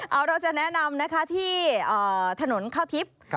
เอาเราจะแนะนำนะคะที่ถนนข้าวทิพย์